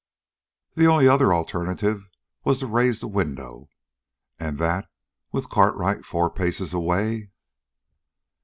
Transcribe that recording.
The only other alternative was to raise the window and that with Cartwright four paces away!